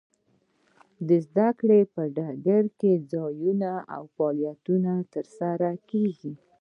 د زده کړې په ډګر کې ځانګړي فعالیتونه ترسره کیږي.